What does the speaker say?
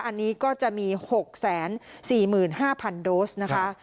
อันนี้ก็จะมี๖๔๕๐๐โดสนะคะ